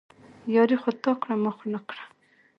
ياري خو تا کړه، ما خو نه کړه